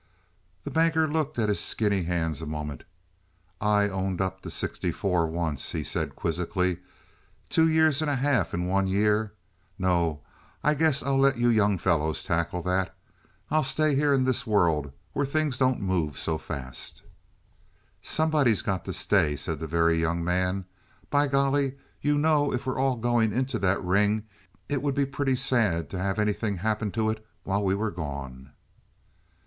The Banker looked at his skinny hands a moment. "I owned up to sixty four once," he said quizzically. "Two years and a half in one year. No, I guess I'll let you young fellows tackle that; I'll stay here in this world where things don't move so fast." "Somebody's got to stay," said the Very Young Man. "By golly, you know if we're all going into that ring it would be pretty sad to have anything happen to it while we were gone."